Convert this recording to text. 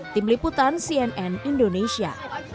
tim liputan cnn indonesia